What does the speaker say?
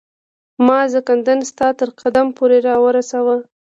ما زکندن ستا تر قدم پوري را ورساوه